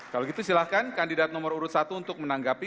kalau gitu silahkan kandidat nomor urut satu untuk menanggapi